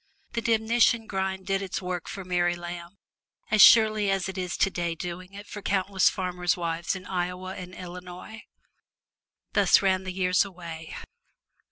The demnition grind did its work for Mary Lamb as surely as it is today doing it for countless farmers' wives in Iowa and Illinois. Thus ran the years away.